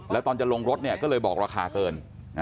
แล้วตอนจะลงรถเนี่ยก็เลยบอกราคาเกิน